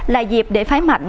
là dịp để phái mạnh